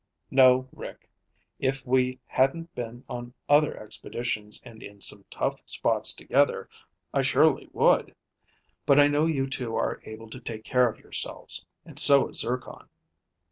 "No, Rick. If we hadn't been on other expeditions and in some tough spots together, I surely would. But I know you two are able to take care of yourselves. And so is Zircon.